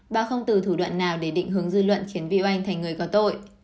bà không từ thủ đoạn nào để định hướng dư luận khiến vy oanh thành người có tội